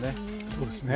そうですね。